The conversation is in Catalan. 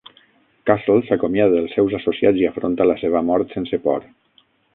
Castle s'acomiada dels seus associats i afronta la seva mort sense por.